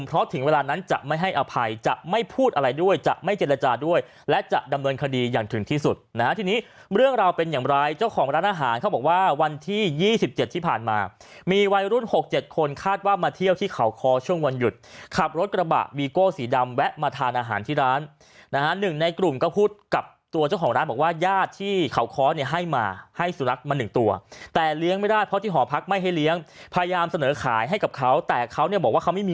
เรื่องราวเป็นอย่างไรเจ้าของร้านอาหารเขาบอกว่าวันที่ยี่สิบเจ็ดที่ผ่านมามีวัยรุ่นหกเจ็ดคนคาดว่ามาเที่ยวที่เขาคอช่วงวันหยุดขับรถกระบะวีโก้สีดำแวะมาทานอาหารที่ร้านนะฮะหนึ่งในกลุ่มก็พูดกับตัวเจ้าของร้านบอกว่าญาติที่เขาคอเนี่ยให้มาให้สุนัขมาหนึ่งตัวแต่เลี้ยงไม่ได้เพราะที่